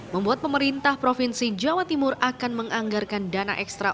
membuat pemerintah provinsi jawa timur akan menganggarkan dana ekstra